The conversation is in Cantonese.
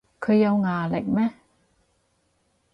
佢有牙力咩